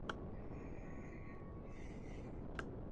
Su ficha fue cedida al Real Cartagena.